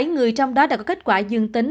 bảy người trong đó đã có kết quả dương tính